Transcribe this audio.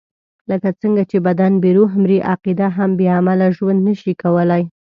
لکه څنګه چې بدن بې روح مري، عقیده هم بې عمله ژوند نشي کولای.